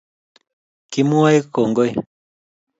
kimwae kongoi